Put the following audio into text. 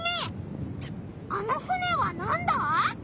あの船はなんだ？